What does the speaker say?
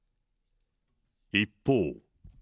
一方。